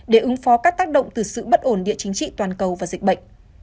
để ứng phó các tác động từ sự bất ổn địa chính trị toàn cầu và dịch bệnh